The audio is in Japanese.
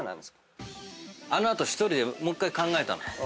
あの後１人でもう１回考えたの。